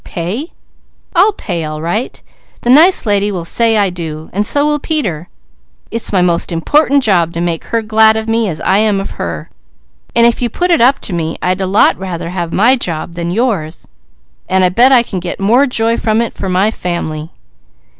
Pay? I'll pay all right; the nice lady will say I do, and so will Peter. It's my most important job to make her glad of me as I am of her. And if you put it up to me, I'd a lot rather have my job than yours; and I bet I get more joy from it for my family!"